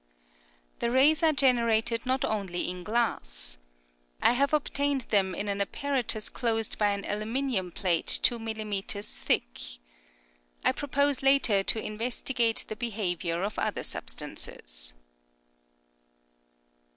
The rays are generated not only in glass. I have obtained them in an apparatus closed by an aluminium plate 2 mm. thick. I propose later to investigate the behavior of other substances.